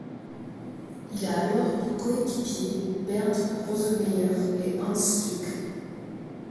Il a alors pour coéquipiers Bernd Rosemeyer et Hans Stuck.